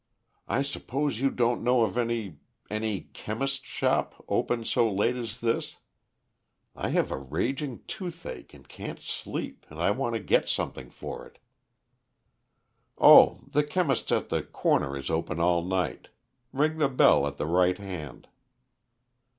I suppose you don't know of any any chemist's shop open so late as this? I have a raging toothache and can't sleep, and I want to get something for it." "Oh, the chemist's at the corner is open all night. Ring the bell at the right hand."